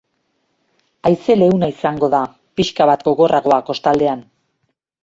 Haize leuna izango da, pixka bat gogorragoa kostaldean.